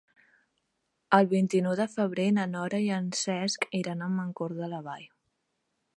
El vint-i-nou de febrer na Nora i en Cesc iran a Mancor de la Vall.